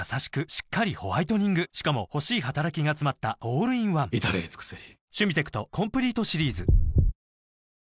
しっかりホワイトニングしかも欲しい働きがつまったオールインワン至れり尽せりあー